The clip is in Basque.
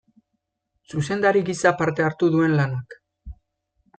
Zuzendari gisa parte hartu duen lanak.